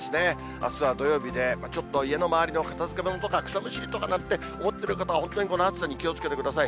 あすは土曜日で、ちょっと家の周りの片づけものとか、草むしりとかなんて思ってる方は本当にこの暑さに気をつけてください。